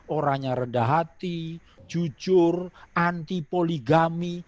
orang yang rendah hati jujur anti poligami